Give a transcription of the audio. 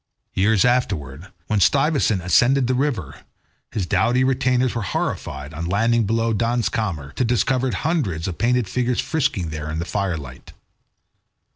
Years afterwards, when Stuyvesant ascended the river, his doughty retainers were horrified, on landing below the Dans Kamer, to discover hundreds of painted figures frisking there in the fire light.